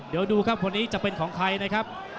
เดี๋ยวดูครับคนนี้จะเป็นของใครนะครับ